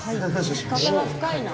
聴き方が深いな。